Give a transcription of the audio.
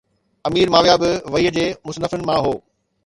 امير Muawiya به وحي جي مصنفن مان هو